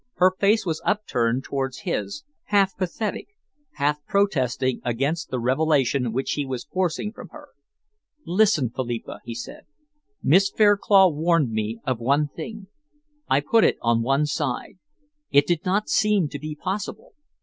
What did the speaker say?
Her face was upturned towards his, half pathetic, half protesting against the revelation which he was forcing from her. "Listen, Philippa," he said, "Miss Fairclough warned me of one thing. I put it on one side. It did not seem to be possible.